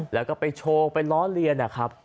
แล้วก็ไปโชว์ไปล้อเลียนนะครับ